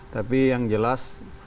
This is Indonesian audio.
tapi yang jelas